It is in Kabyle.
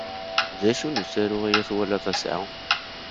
D acu n usaru ay twalad ass-a?